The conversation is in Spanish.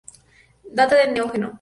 Data del Neógeno.